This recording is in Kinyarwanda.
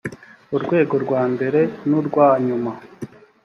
urwego rwa mbere n urwa nyuma